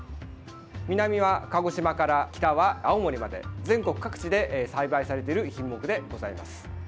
南は鹿児島から北は青森まで全国各地で栽培されている品目でございます。